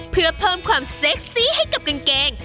เพื่อเพิ่มความเซ็กซี่ให้กับกางเกง